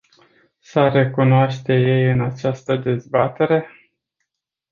S-ar recunoaște ei în această dezbatere?